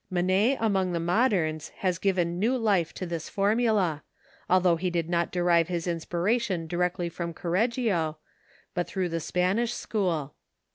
Manet among the moderns has given new life to this formula, although he did not derive his inspiration directly from Correggio but through the Spanish school.